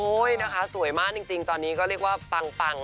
นะคะสวยมากจริงตอนนี้ก็เรียกว่าปัง